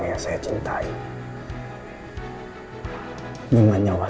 saya akan kembali ke kebal